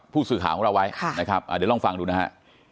ผู้สื่อข่าวของเราไว้นะครับเดี๋ยวลองฟังดูนะฮะ